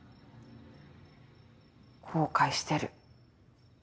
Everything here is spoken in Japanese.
後悔してる。